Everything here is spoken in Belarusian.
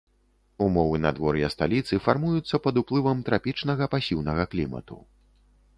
Умовы надвор'я сталіцы фармуюцца пад уплывам трапічнага пасіўнага клімату.